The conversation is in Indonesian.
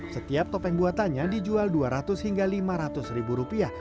setiap topeng buatannya dijual dua ratus hingga lima ratus ribu rupiah